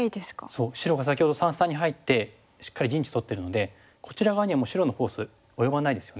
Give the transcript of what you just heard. そう白が先ほど三々に入ってしっかり陣地取ってるのでこちら側には白のフォース及ばないですよね。